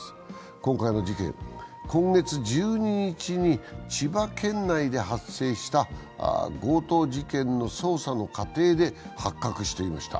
今回の事件は今月１２日に千葉県内で発生した強盗事件の捜査の過程で発覚していました。